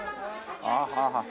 ああはあはあ。